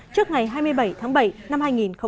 trước ngày hai mươi bảy tháng bảy năm hai nghìn hai mươi